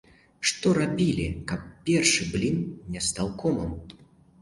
Што рабілі, каб першы блін не стаў комам?